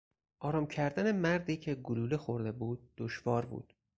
آرام کردن مردی که گلوله خورده بود دشوار بود.